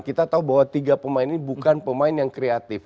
kita tahu bahwa tiga pemain ini bukan pemain yang kreatif